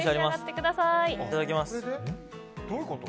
いただきます。